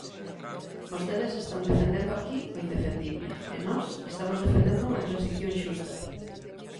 Vostedes están defendendo aquí o indefendible, e nós estamos defendendo unha transición xusta.